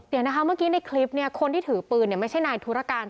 เดี๋ยวนะคะเมื่อกี้ในคลิปเนี่ยคนที่ถือปืนไม่ใช่นายธุรการ